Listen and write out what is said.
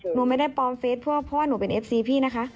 หนูไม่ได้ปลอมเฟสเพราะว่าหนูเป็นเอฟซีพี่นะคะ